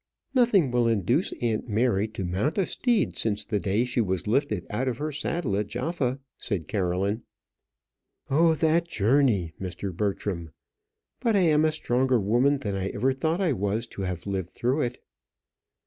"Nothing will induce aunt Mary to mount a steed since the day she was lifted out of her saddle at Jaffa," said Caroline. "Oh, that journey, Mr. Bertram! but I am a stronger woman than I ever thought I was to have lived through it."